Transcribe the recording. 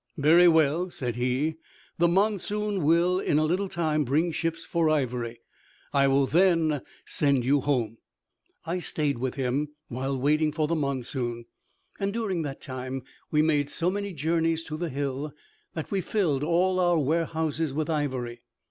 "Very well," said he, "the monsoon will in a little time bring ships for ivory. I will then send you home." I stayed with him while waiting for the monsoon; and during that time we made so many journeys to the hill, that we filled all our warehouses with ivory.